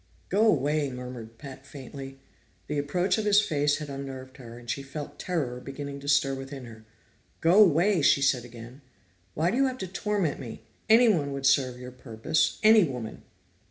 "Go away!" murmured Pat faintly. The approach of his face had unnerved her, and she felt terror beginning to stir within her. "Go away!" she said again. "Why do you have to torment me? Any one would serve your purpose any woman!"